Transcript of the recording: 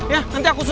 ya nanti aku susul